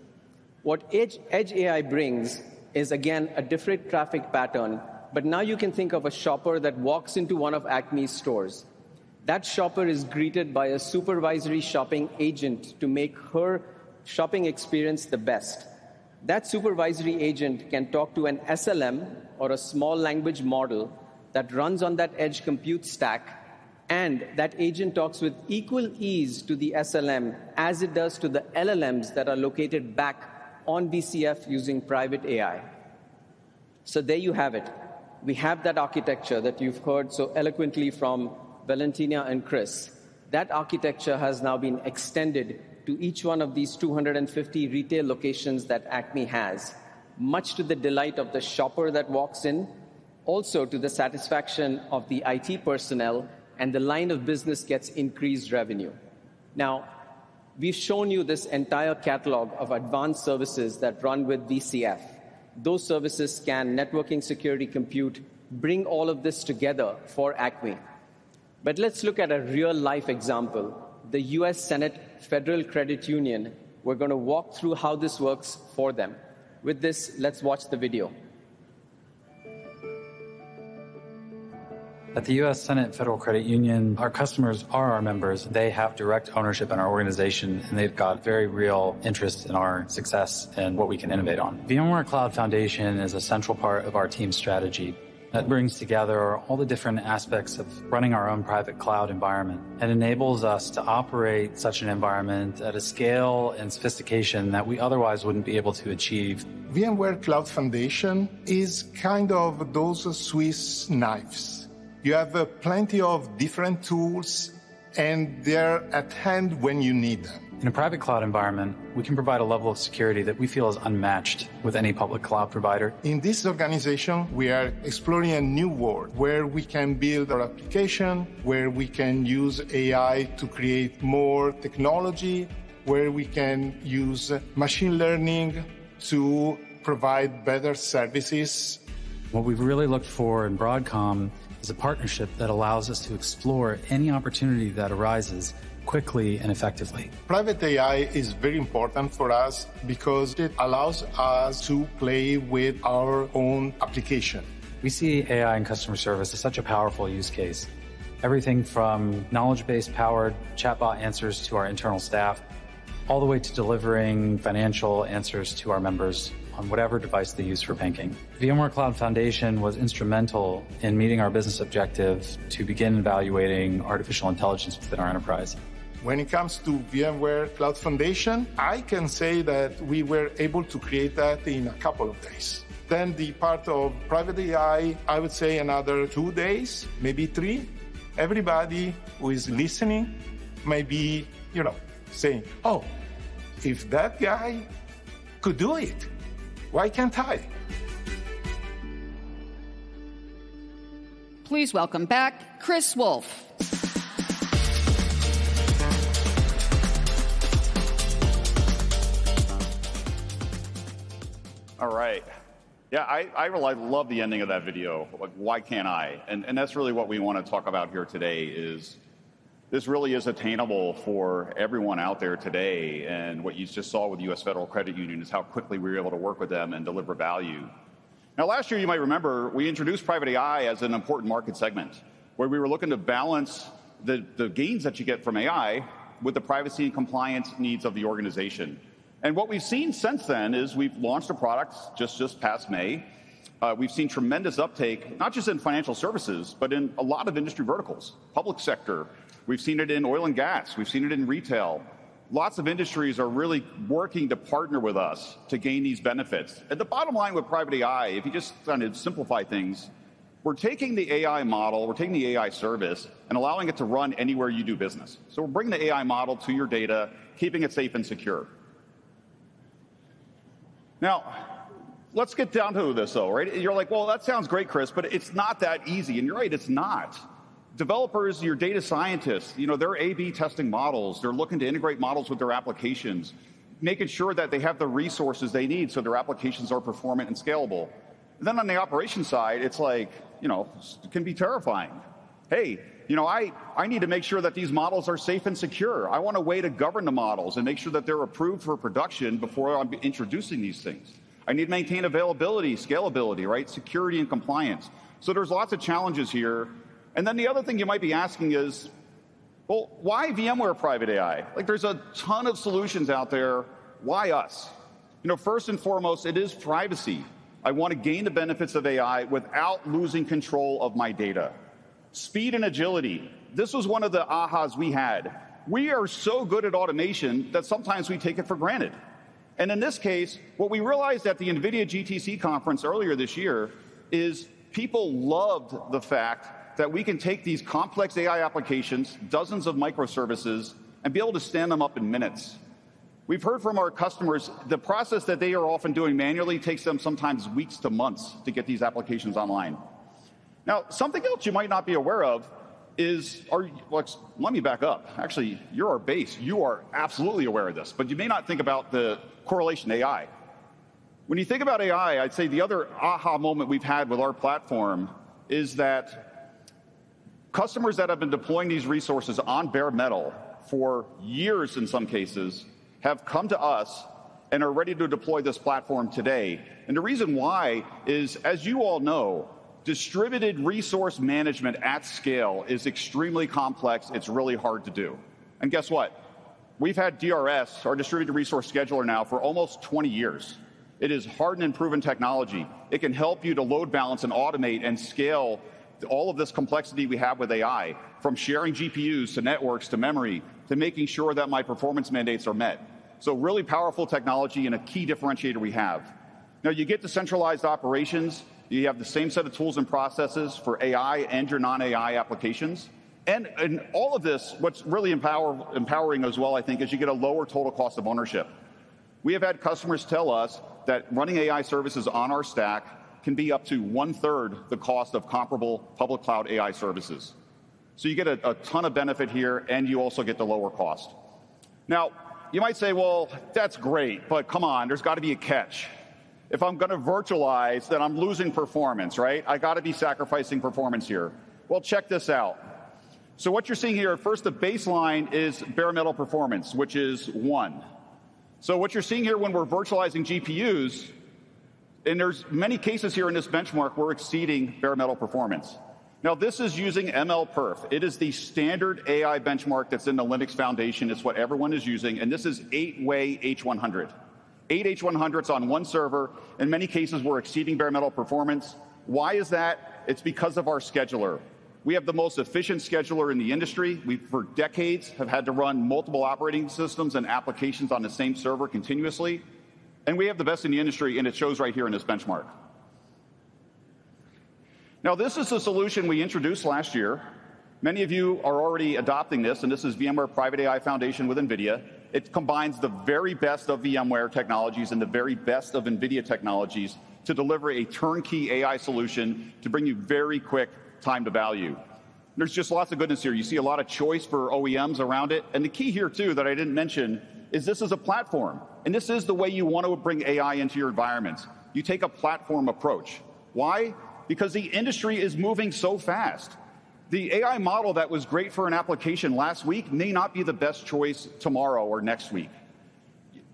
What Edge AI brings is, again, a different traffic pattern, but now you can think of a shopper that walks into one of ACME stores. That shopper is greeted by a supervisory shopping agent to make her shopping experience the best. That supervisory agent can talk to an SLM or a small language model that runs on that edge compute stack, and that agent talks with equal ease to the SLM as it does to the LLMs that are located back on VCF using Private AI. So there you have it. We have that architecture that you've heard so eloquently from Valentina and Chris. That architecture has now been extended to each one of these 250 retail locations that ACME has, much to the delight of the shopper that walks in, also to the satisfaction of the IT personnel, and the line of business gets increased revenue. Now, we've shown you this entire catalog of advanced services that run with VCF. Those services, networking, security, compute, bring all of this together for ACME. But let's look at a real-life example, the U.S. Senate Federal Credit Union. We're gonna walk through how this works for them. With this, let's watch the video.
At the U.S. Senate Federal Credit Union, our customers are our members. They have direct ownership in our organization, and they've got very real interest in our success and what we can innovate on. VMware Cloud Foundation is a central part of our team's strategy that brings together all the different aspects of running our own private cloud environment and enables us to operate such an environment at a scale and sophistication that we otherwise wouldn't be able to achieve.
VMware Cloud Foundation is kind of those Swiss knives. You have plenty of different tools, and they're at hand when you need them.
In a private cloud environment, we can provide a level of security that we feel is unmatched with any public cloud provider.
In this organization, we are exploring a new world where we can build our application, where we can use AI to create more technology, where we can use machine learning to provide better services.
What we've really looked for in Broadcom is a partnership that allows us to explore any opportunity that arises quickly and effectively.
Private AI is very important for us because it allows us to play with our own application.
We see AI and customer service as such a powerful use case, everything from knowledge-based powered chatbot answers to our internal staff, all the way to delivering financial answers to our members on whatever device they use for banking. VMware Cloud Foundation was instrumental in meeting our business objectives to begin evaluating artificial intelligence within our enterprise.
When it comes to VMware Cloud Foundation, I can say that we were able to create that in a couple of days. Then the part of Private AI, I would say another two days, maybe three. Everybody who is listening may be, you know, saying, "Oh, if that guy could do it, why can't I?
Please welcome back, Chris Wolf.
All right. Yeah, I really love the ending of that video. Like, why can't I? And that's really what we wanna talk about here today is this really is attainable for everyone out there today, and what you just saw with U.S. Senate Federal Credit Union is how quickly we were able to work with them and deliver value. Now, last year, you might remember, we introduced Private AI as an important market segment, where we were looking to balance the gains that you get from AI with the privacy and compliance needs of the organization. What we've seen since then is we've launched a product just past May. We've seen tremendous uptake, not just in financial services, but in a lot of industry verticals. Public sector, we've seen it in oil and gas, we've seen it in retail. Lots of industries are really working to partner with us to gain these benefits. And the bottom line with Private AI, if you just kinda simplify things, we're taking the AI model, we're taking the AI service, and allowing it to run anywhere you do business. So we're bringing the AI model to your data, keeping it safe and secure. Now, let's get down to this, though, right? You're like: "Well, that sounds great, Chris, but it's not that easy." And you're right, it's not. Developers and your data scientists, you know, they're A/B testing models. They're looking to integrate models with their applications, making sure that they have the resources they need so their applications are performant and scalable. Then on the operation side, it's like, you know, it can be terrifying. "Hey, you know, I need to make sure that these models are safe and secure. I want a way to govern the models and make sure that they're approved for production before I'm introducing these things. I need to maintain availability, scalability, right? Security and compliance. So there's lots of challenges here. And then the other thing you might be asking is, "Well, why VMware Private AI? Like, there's a ton of solutions out there. Why us?" You know, first and foremost, it is privacy. I wanna gain the benefits of AI without losing control of my data. Speed and agility. This was one of the ahas we had. We are so good at automation that sometimes we take it for granted. And in this case, what we realized at the NVIDIA GTC conference earlier this year is people loved the fact that we can take these complex AI applications, dozens of microservices, and be able to stand them up in minutes. We've heard from our customers, the process that they are often doing manually takes them sometimes weeks to months to get these applications online. Now, something else you might not be aware of is. Well, let me back up. Actually, you're our base. You are absolutely aware of this, but you may not think about the correlation to AI. When you think about AI, I'd say the other aha moment we've had with our platform is that customers that have been deploying these resources on bare metal for years, in some cases, have come to us and are ready to deploy this platform today. The reason why is, as you all know, distributed resource management at scale is extremely complex. It's really hard to do. And guess what? We've had DRS, our Distributed Resource Scheduler, now for almost 20 years. It is hardened and proven technology. It can help you to load balance and automate and scale all of this complexity we have with AI, from sharing GPUs, to networks, to memory, to making sure that my performance mandates are met. So really powerful technology and a key differentiator we have. Now, you get the centralized operations. You have the same set of tools and processes for AI and your non-AI applications. And in all of this, what's really empowering as well, I think, is you get a lower total cost of ownership. We have had customers tell us that running AI services on our stack can be up to one-third the cost of comparable public cloud AI services. So you get a ton of benefit here, and you also get the lower cost. Now, you might say, "Well, that's great, but come on, there's got to be a catch. If I'm gonna virtualize, then I'm losing performance, right? I got to be sacrificing performance here." Well, check this out. So what you're seeing here, first, the baseline is bare metal performance, which is one. So what you're seeing here when we're virtualizing GPUs, and there's many cases here in this benchmark, we're exceeding bare metal performance. Now, this is using MLPerf. It is the standard AI benchmark that's in the Linux Foundation. It's what everyone is using, and this is 8-way H100. 8 H100s on one server. In many cases, we're exceeding bare metal performance. Why is that? It's because of our scheduler. We have the most efficient scheduler in the industry. We, for decades, have had to run multiple operating systems and applications on the same server continuously, and we have the best in the industry, and it shows right here in this benchmark. Now, this is a solution we introduced last year. Many of you are already adopting this, and this is VMware Private AI Foundation with NVIDIA. It combines the very best of VMware technologies and the very best of NVIDIA technologies to deliver a turnkey AI solution to bring you very quick time to value. There's just lots of goodness here. You see a lot of choice for OEMs around it, and the key here, too, that I didn't mention, is this is a platform, and this is the way you want to bring AI into your environments. You take a platform approach. Why? Because the industry is moving so fast. The AI model that was great for an application last week may not be the best choice tomorrow or next week.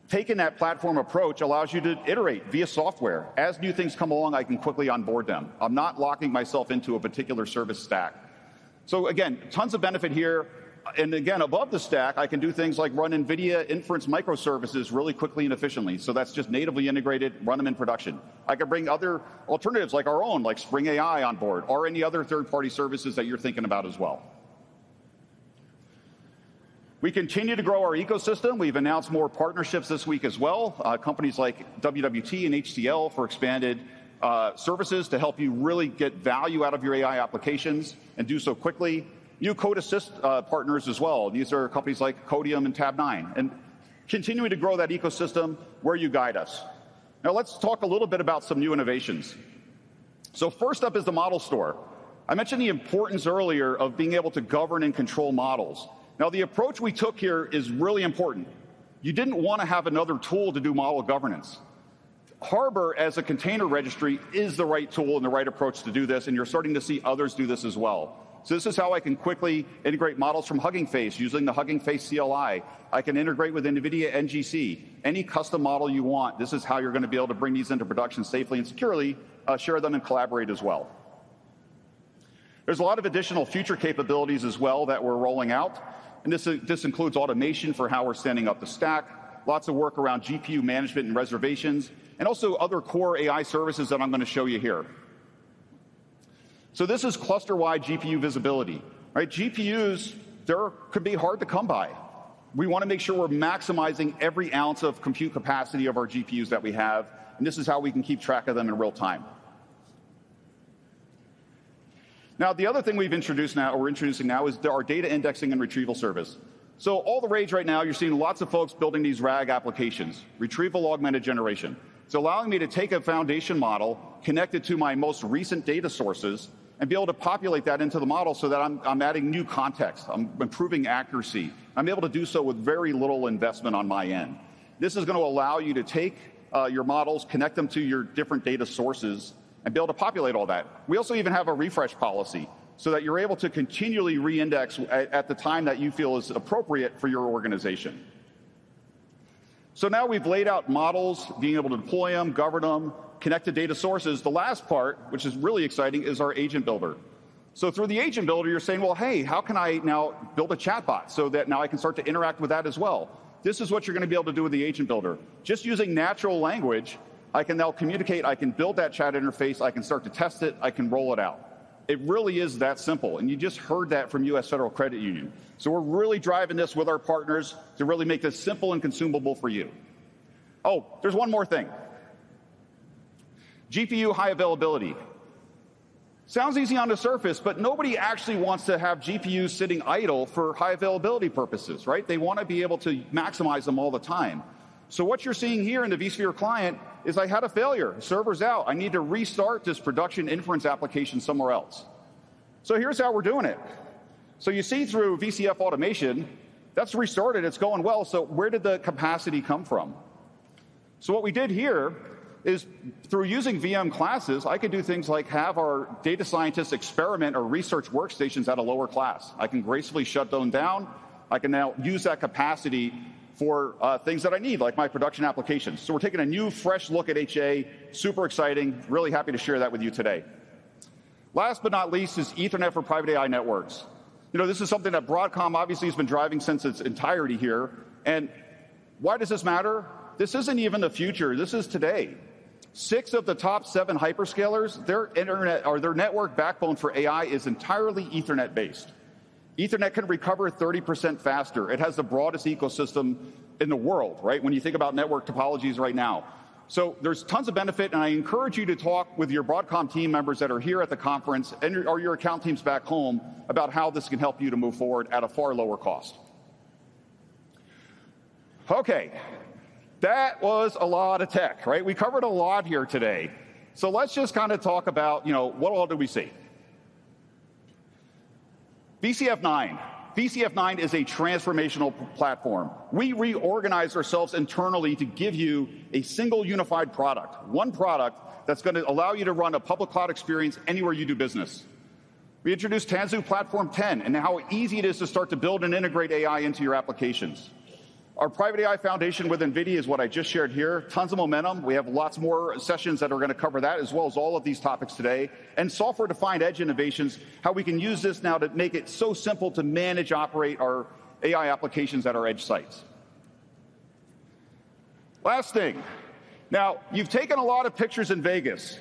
Taking that platform approach allows you to iterate via software. As new things come along, I can quickly onboard them. I'm not locking myself into a particular service stack. So again, tons of benefit here, and again, above the stack, I can do things like run NVIDIA inference microservices really quickly and efficiently. So that's just natively integrated, run them in production. I can bring other alternatives, like our own, like Spring AI, on board or any other third-party services that you're thinking about as well. We continue to grow our ecosystem. We've announced more partnerships this week as well, companies like WWT and HCL for expanded services to help you really get value out of your AI applications and do so quickly. New code assist partners as well. These are companies like Codeium and Tabnine, continuing to grow that ecosystem where you guide us. Now, let's talk a little bit about some new innovations. So first up is the Model Store. I mentioned the importance earlier of being able to govern and control models. Now, the approach we took here is really important. You didn't wanna have another tool to do model governance. Harbor, as a container registry, is the right tool and the right approach to do this, and you're starting to see others do this as well. So this is how I can quickly integrate models from Hugging Face using the Hugging Face CLI. I can integrate with NVIDIA NGC. Any custom model you want, this is how you're gonna be able to bring these into production safely and securely, share them, and collaborate as well. There's a lot of additional future capabilities as well that we're rolling out, and this, this includes automation for how we're standing up the stack, lots of work around GPU management and reservations, and also other core AI services that I'm gonna show you here. So this is cluster-wide GPU visibility, right? GPUs, they could be hard to come by. We wanna make sure we're maximizing every ounce of compute capacity of our GPUs that we have, and this is how we can keep track of them in real time. Now, the other thing we've introduced now, we're introducing now, is our Data Indexing and Retrieval service. So all the rage right now, you're seeing lots of folks building these RAG applications, Retrieval Augmented Generation. It's allowing me to take a foundation model, connect it to my most recent data sources, and be able to populate that into the model so that I'm adding new context, I'm improving accuracy. I'm able to do so with very little investment on my end. This is gonna allow you to take your models, connect them to your different data sources, and be able to populate all that. We also even have a refresh policy, so that you're able to continually re-index at the time that you feel is appropriate for your organization. So now we've laid out models, being able to deploy 'em, govern 'em, connect to data sources. The last part, which is really exciting, is our Agent Builder. Through the Agent Builder, you're saying, "Well, hey, how can I now build a chatbot so that now I can start to interact with that as well?" This is what you're gonna be able to do with the Agent Builder. Just using natural language, I can now communicate, I can build that chat interface, I can start to test it, I can roll it out. It really is that simple, and you just heard that from US Senate Federal Credit Union. We're really driving this with our partners to really make this simple and consumable for you. Oh, there's one more thing. GPU high availability. Sounds easy on the surface, but nobody actually wants to have GPUs sitting idle for high availability purposes, right? They wanna be able to maximize them all the time. What you're seeing here in the vSphere Client is I had a failure. Server's out. I need to restart this production inference application somewhere else. So here's how we're doing it. So you see through VCF automation, that's restarted. It's going well. So where did the capacity come from? So what we did here is, through using VM classes, I could do things like have our data scientists experiment or research workstations at a lower class. I can gracefully shut them down. I can now use that capacity for things that I need, like my production applications. So we're taking a new, fresh look at HA, super exciting, really happy to share that with you today. Last but not least is Ethernet for Private AI networks. You know, this is something that Broadcom obviously has been driving since its entirety here. And why does this matter? This isn't even the future. This is today. Six of the top seven hyperscalers, their internet or their network backbone for AI is entirely Ethernet-based. Ethernet can recover 30% faster. It has the broadest ecosystem in the world, right? When you think about network topologies right now. So there's tons of benefit, and I encourage you to talk with your Broadcom team members that are here at the conference and/or your account teams back home, about how this can help you to move forward at a far lower cost. Okay, that was a lot of tech, right? We covered a lot here today. So let's just kinda talk about, you know, what all did we see. VCF 9. VCF 9 is a transformational platform. We reorganized ourselves internally to give you a single unified product, one product that's gonna allow you to run a public cloud experience anywhere you do business. We introduced Tanzu Platform 10, and how easy it is to start to build and integrate AI into your applications. Our Private AI Foundation with NVIDIA is what I just shared here. Tons of momentum. We have lots more sessions that are gonna cover that, as well as all of these topics today, and software-defined edge innovations, how we can use this now to make it so simple to manage, operate our AI applications at our edge sites. Last thing, now, you've taken a lot of pictures in Vegas.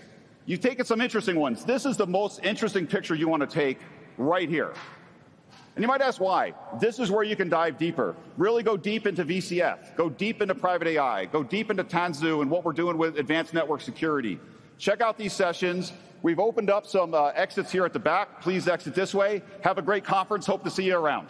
You've taken some interesting ones. This is the most interesting picture you wanna take right here, and you might ask why. This is where you can dive deeper. Really go deep into VCF, go deep into Private AI, go deep into Tanzu and what we're doing with advanced network security. Check out these sessions. We've opened up some exits here at the back. Please exit this way. Have a great conference. Hope to see you around.